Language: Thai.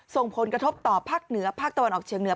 ส่งผลกระทบต่อภาคเหนือภาคตะวันออกเชียงเหนือ